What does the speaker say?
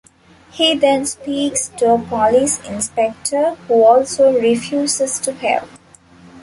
He then speaks to a police inspector who also refuses to help.